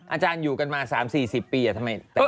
อาจารย์อยู่กันมา๓๔๐ปีทำไม